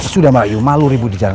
sudah mbak yum malu ribut di jalan